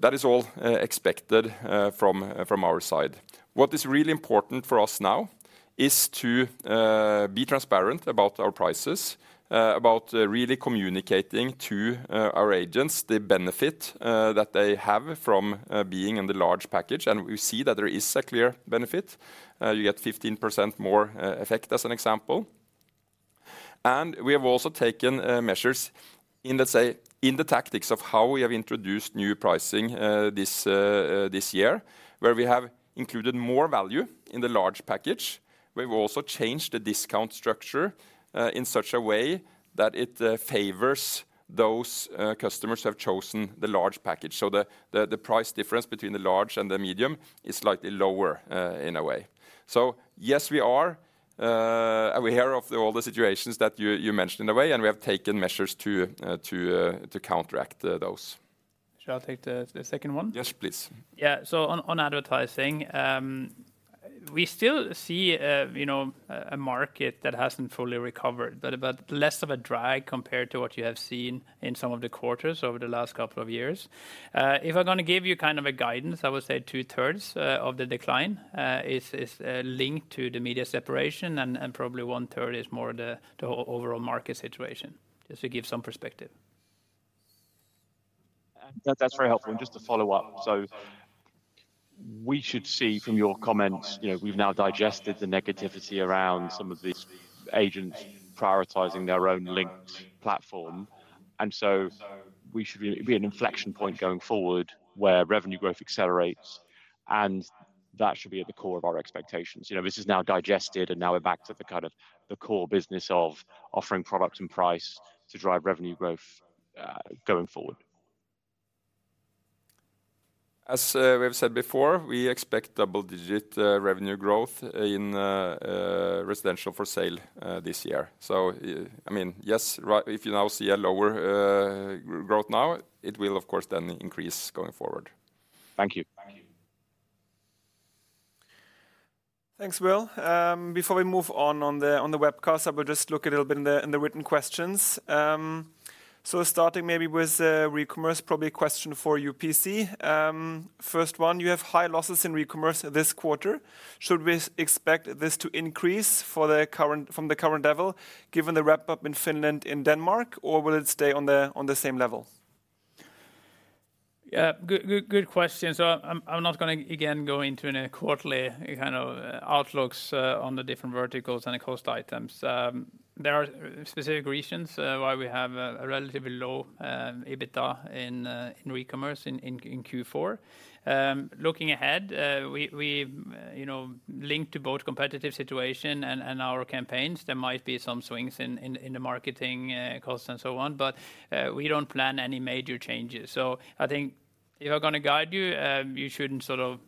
That is all expected from our side. What is really important for us now is to be transparent about our prices, about really communicating to our agents the benefit that they have from being in the large package. And we see that there is a clear benefit. You get 15% more effect as an example. And we have also taken measures in the tactics of how we have introduced new pricing this year, where we have included more value in the large package. We've also changed the discount structure in such a way that it favors those customers who have chosen the large package. So the price difference between the large and the medium is slightly lower in a way. So yes, we are aware of all the situations that you mentioned in a way, and we have taken measures to counteract those. Shall I take the second one? Yes, please. Yeah. So on advertising, we still see a market that hasn't fully recovered, but less of a drag compared to what you have seen in some of the quarters over the last couple of years. If I'm going to give you kind of a guidance, I would say two-thirds of the decline is linked to the media separation, and probably one-third is more of the overall market situation, just to give some perspective. That's very helpful. And just to follow up, so we should see from your comments, we've now digested the negativity around some of these agents prioritizing their own linked platform. And so we should be at an inflection point going forward where revenue growth accelerates, and that should be at the core of our expectations. This is now digested, and now we're back to the core business of offering products and price to drive revenue growth going forward. As we have said before, we expect double-digit revenue growth in residential for sale this year. So I mean, yes, if you now see a lower growth now, it will, of course, then increase going forward. Thank you. Thanks, Will. Before we move on to the webcast, I will just look a little bit in the written questions. So starting maybe with Recommerce, probably a question for you, PC. First one, you have high losses in Recommerce this quarter. Should we expect this to increase from the current level given the ramp-up in Finland and Denmark, or will it stay on the same level? Yeah, good question. So I'm not going to, again, go into any quarterly kind of outlooks on the different verticals and the cost items. There are specific reasons why we have a relatively low EBITDA in Recommerce in Q4. Looking ahead, we link to both competitive situation and our campaigns. There might be some swings in the marketing costs and so on, but we don't plan any major changes, so I think if I'm going to guide you, you shouldn't sort of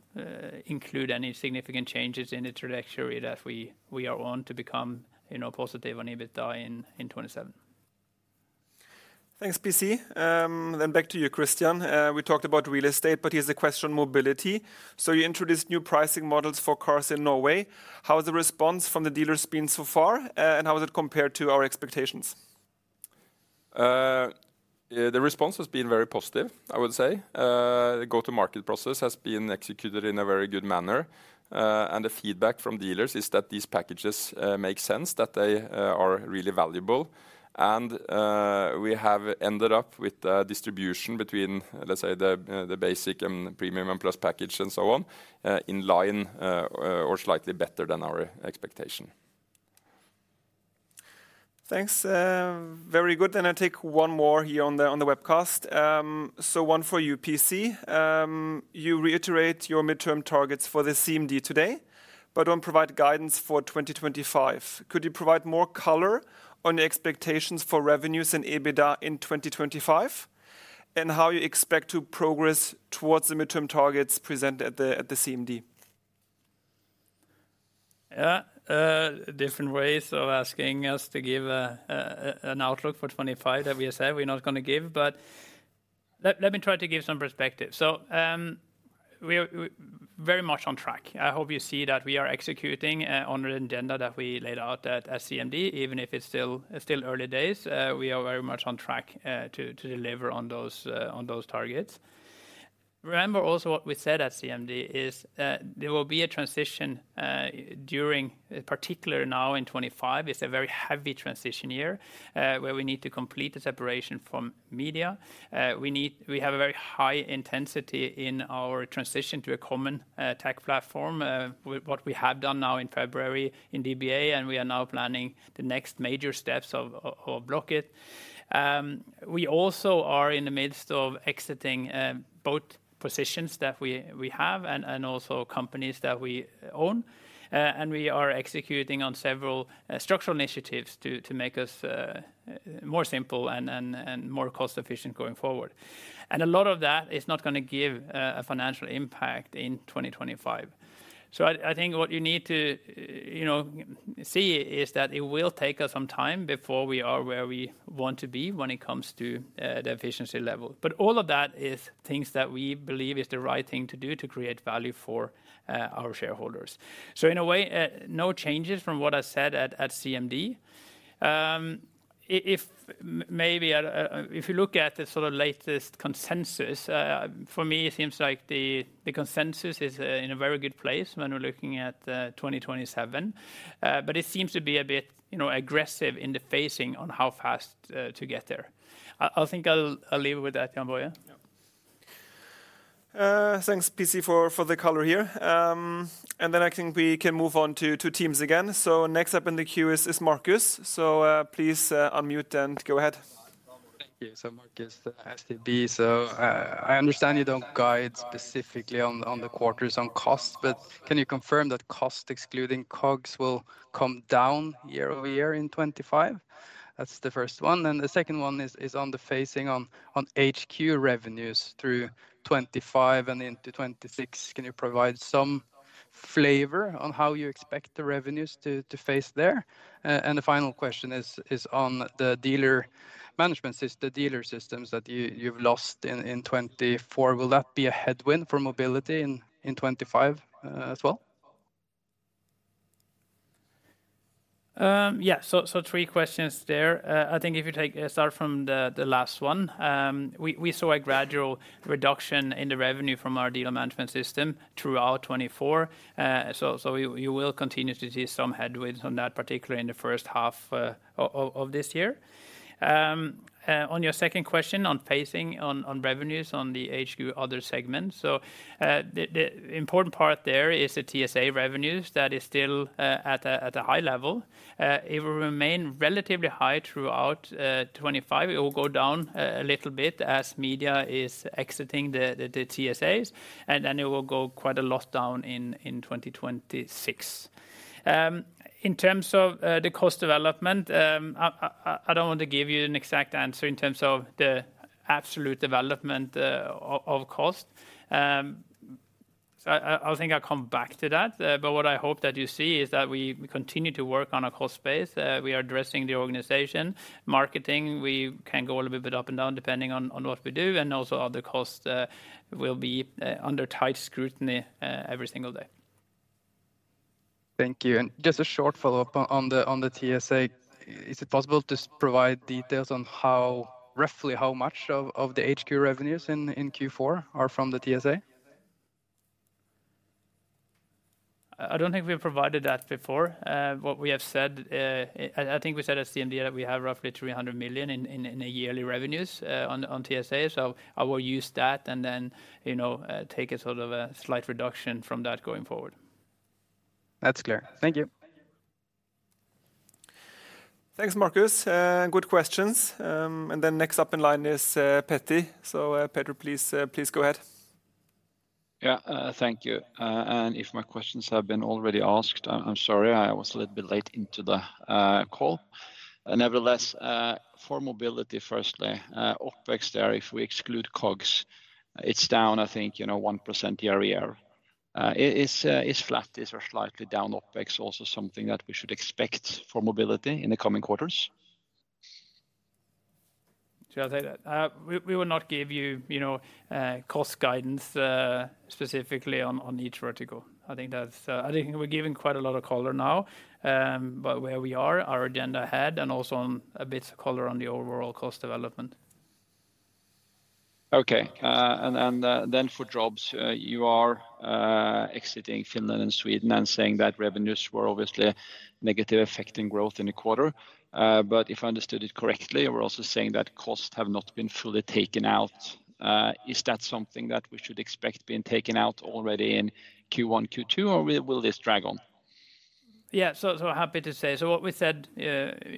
include any significant changes in the trajectory that we are on to become positive on EBITDA in 2027. Thanks, PC, then back to you, Christian. We talked about Real Estate, but here's a question on Mobility, so you introduced new pricing models for cars in Norway. How has the response from the dealers been so far, and how has it compared to our expectations? The response has been very positive, I would say. The go-to-market process has been executed in a very good manner, and the feedback from dealers is that these packages make sense, that they are really valuable. We have ended up with a distribution between, let's say, the basic and premium and plus package and so on in line or slightly better than our expectation. Thanks. Very good. I take one more here on the webcast. One for you, PC. You reiterate your midterm targets for the CMD today, but don't provide guidance for 2025. Could you provide more color on the expectations for revenues and EBITDA in 2025 and how you expect to progress towards the midterm targets presented at the CMD? Yeah, different ways of asking us to give an outlook for 2025 that we said we're not going to give, but let me try to give some perspective. We're very much on track. I hope you see that we are executing on the agenda that we laid out at CMD, even if it's still early days. We are very much on track to deliver on those targets. Remember also what we said at CMD: there will be a transition during, particularly now in 2025. It is a very heavy transition year where we need to complete the separation from media. We have a very high intensity in our transition to a common tech platform, what we have done now in February in DBA, and we are now planning the next major steps or Blocket. We also are in the midst of exiting both positions that we have and also companies that we own, and we are executing on several structural initiatives to make us more simple and more cost-efficient going forward, and a lot of that is not going to give a financial impact in 2025. So I think what you need to see is that it will take us some time before we are where we want to be when it comes to the efficiency level. But all of that is things that we believe is the right thing to do to create value for our shareholders. So in a way, no changes from what I said at CMD. If you look at the sort of latest consensus, for me, it seems like the consensus is in a very good place when we're looking at 2027. But it seems to be a bit aggressive in the phasing on how fast to get there. I think I'll leave it with that, Jann-Boje. Thanks, PC, for the color here. And then I think we can move on to Teams again. So next up in the queue is Marcus. So please unmute and go ahead. Thank you. So, Marcus, has to be. So, I understand you don't guide specifically on the quarters on cost, but can you confirm that cost excluding COGS will come down year over year in 2025? That's the first one. And the second one is on the phasing on HQ revenues through 2025 and into 2026. Can you provide some flavor on how you expect the revenues to phase there? And the final question is on the dealer management systems that you've lost in 2024. Will that be a headwind for Mobility in 2025 as well? Yeah, so three questions there. I think if you start from the last one, we saw a gradual reduction in the revenue from our dealer management system throughout 2024. So you will continue to see some headwinds on that, particularly in the first half of this year. On your second question on phasing on revenues on the HQ other segments, so the important part there is the TSA revenues that is still at a high level. It will remain relatively high throughout 2025. It will go down a little bit as media is exiting the TSAs, and then it will go quite a lot down in 2026. In terms of the cost development, I don't want to give you an exact answer in terms of the absolute development of cost. I think I'll come back to that. But what I hope that you see is that we continue to work on our cost base. We are addressing the organization, marketing. We can go a little bit up and down depending on what we do, and also other costs will be under tight scrutiny every single day. Thank you, and just a short follow-up on the TSA. Is it possible to provide details on roughly how much of the Hjem revenues in Q4 are from the TSA? I don't think we've provided that before. What we have said, I think we said at CMD that we have roughly 300 million in yearly revenues on TSA. So I will use that and then take a sort of a slight reduction from that going forward. That's clear. Thank you. Thanks, Marcus. Good questions. And then next up in line is Petter. So Petter, please go ahead. Yeah, thank you. And if my questions have been already asked, I'm sorry, I was a little bit late into the call. Nevertheless, for Mobility firstly, OpEx there, if we exclude COGS, it's down, I think, 1% year over year. It is flat. These are slightly down. OpEx is also something that we should expect for Mobility in the coming quarters. We will not give you cost guidance specifically on each vertical. I think we're giving quite a lot of color now, but where we are, our agenda ahead, and also a bit of color on the overall cost development. Okay. And then for jobs, you are exiting Finland and Sweden and saying that revenues were obviously negatively affecting growth in the quarter. But if I understood it correctly, we're also saying that costs have not been fully taken out. Is that something that we should expect being taken out already in Q1, Q2, or will this drag on? Yeah, so happy to say. So what we said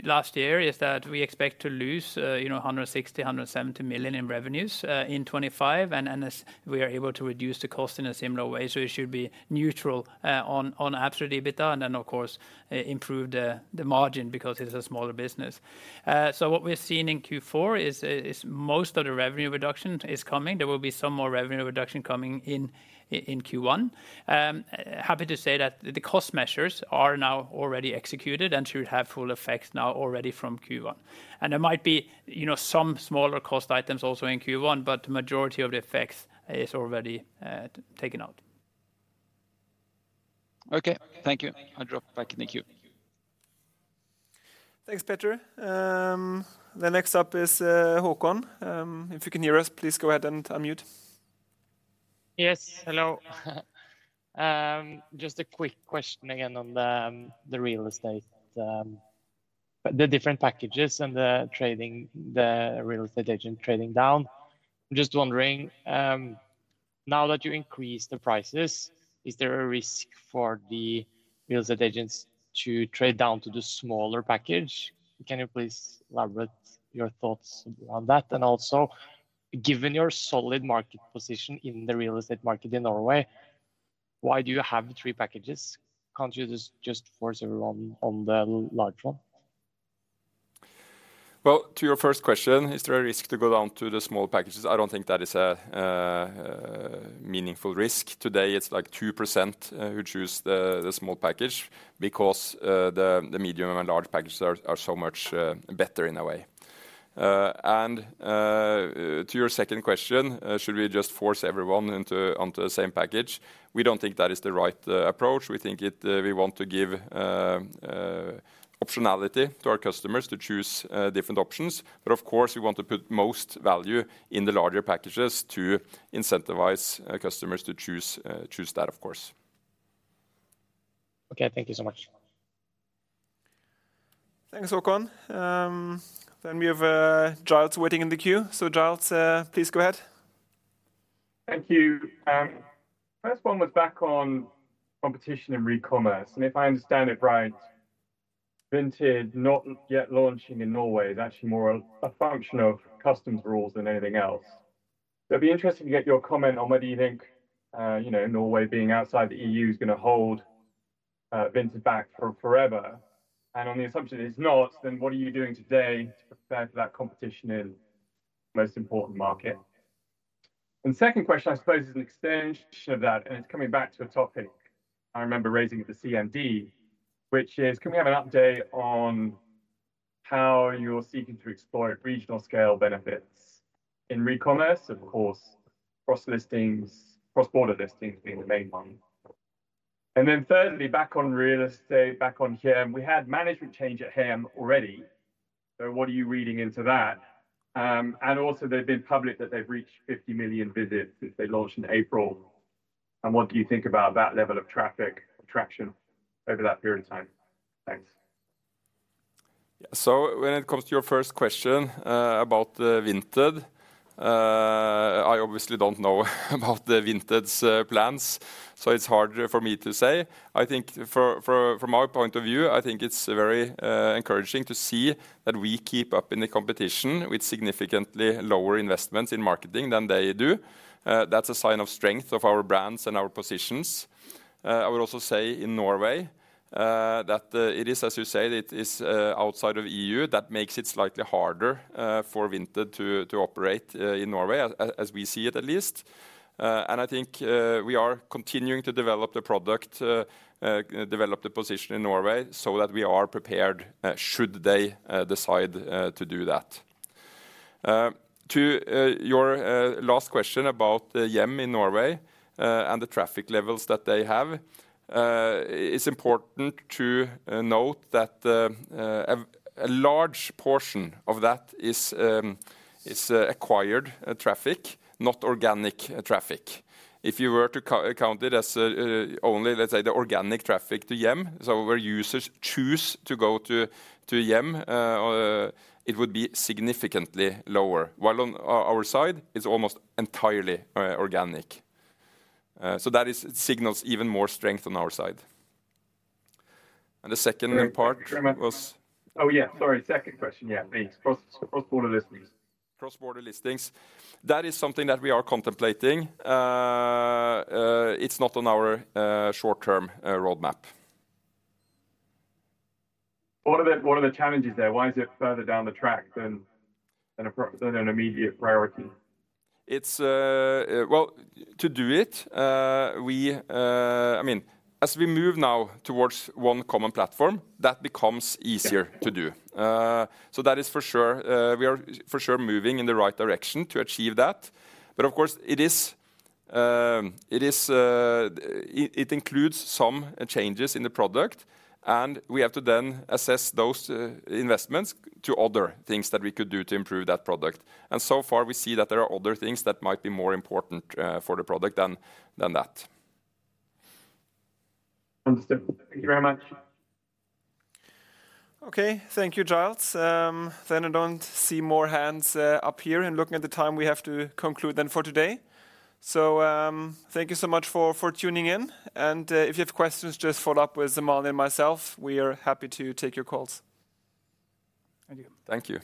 last year is that we expect to lose 160-170 million in revenues in 2025, and we are able to reduce the cost in a similar way. So it should be neutral on absolute EBITDA and then, of course, improve the margin because it's a smaller business. So what we've seen in Q4 is most of the revenue reduction is coming. There will be some more revenue reduction coming in Q1. Happy to say that the cost measures are now already executed and should have full effect now already from Q1, and there might be some smaller cost items also in Q1, but the majority of the effects is already taken out. Okay, thank you. I'll drop back. Thank you. Thanks, Petter. The next up is Håkon. If you can hear us, please go ahead and unmute. Yes, hello. Just a quick question again on the Real Estate, the different packages and the trading, the Real Estate agent trading down. I'm just wondering, now that you increased the prices, is there a risk for the Real Estate agents to trade down to the smaller package? Can you please elaborate your thoughts on that? And also, given your solid market position in the Real Estate market in Norway, why do you have three packages? Can't you just force everyone on the large one? Well, to your first question, is there a risk to go down to the small packages? I don't think that is a meaningful risk. Today, it's like 2% who choose the small package because the medium and large packages are so much better in a way. And to your second question, should we just force everyone onto the same package? We don't think that is the right approach. We think we want to give optionality to our customers to choose different options. But of course, we want to put most value in the larger packages to incentivize customers to choose that, of course. Okay, thank you so much. Thanks, Håkon. Then we have Giles waiting in the queue. So Giles, please go ahead. Thank you. First one was back on competition in Recommerce. And if I understand it right, Vinted not yet launching in Norway is actually more a function of customs rules than anything else. So it'd be interesting to get your comment on whether you think Norway being outside the EU is going to hold Vinted back forever. And on the assumption it's not, then what are you doing today to prepare for that competition in the most important market? The second question, I suppose, is an extension of that, and it's coming back to a topic I remember raising at the CMD, which is, can we have an update on how you're seeking to exploit regional scale benefits in Recommerce, of course, cross-listings, cross-border listings being the main one? Then thirdly, back on Real Estate, back on Hjem, we had management change at Hjem already. So what are you reading into that? And also, they've been public that they've reached 50 million visits since they launched in April. And what do you think about that level of traffic attraction over that period of time? Thanks. Yeah, so when it comes to your first question about Vinted, I obviously don't know about Vinted's plans, so it's hard for me to say. I think from my point of view, I think it's very encouraging to see that we keep up in the competition with significantly lower investments in marketing than they do. That's a sign of strength of our brands and our positions. I would also say in Norway that it is, as you say, it is outside of EU. That makes it slightly harder for Vinted to operate in Norway, as we see it at least. And I think we are continuing to develop the product, develop the position in Norway so that we are prepared should they decide to do that. To your last question about the Hjem in Norway and the traffic levels that they have, it's important to note that a large portion of that is acquired traffic, not organic traffic. If you were to count it as only, let's say, the organic traffic to Hjem, so where users choose to go to Hjem, it would be significantly lower. While on our side, it's almost entirely organic. So that signals even more strength on our side, and the second part was. Oh, yeah, sorry, second question, yeah, please. Cross-border listings. Cross-border listings. That is something that we are contemplating. It's not on our short-term roadmap. What are the challenges there? Why is it further down the track than an immediate priority? Well, to do it, I mean, as we move now towards one common platform, that becomes easier to do. So that is for sure. We are for sure moving in the right direction to achieve that. But of course, it includes some changes in the product, and we have to then assess those investments to other things that we could do to improve that product. And so far, we see that there are other things that might be more important for the product than that. Understood. Thank you very much. Okay, thank you, Giles. Then I don't see more hands up here. And looking at the time, we have to conclude then for today. So thank you so much for tuning in. And if you have questions, just follow up with Jamal and myself. We are happy to take your calls. Thank you. Thank you.